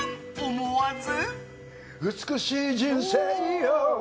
思わず。